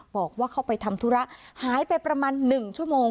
บอกว่าเข้าไปทำธุระหายไปประมาณ๑ชั่วโมง